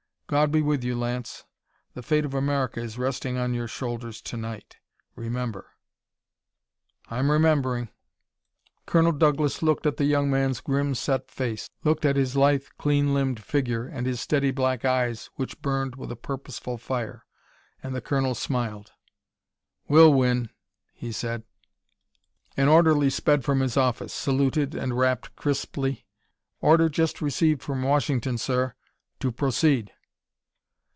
God be with you, Lance! The fate of America is resting on your shoulders to night, remember!" "I'm remembering." Colonel Douglas looked at the young man's grim, set face, looked at his lithe, clean limbed figure and his steady black eyes which burned with a purposeful fire. And the colonel smiled. "We'll win!" he said. An orderly sped from his office, saluted, and rapped crisply: "Order just received from Washington, sir, to proceed."